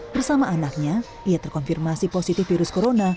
bersama anaknya ia terkonfirmasi positif virus corona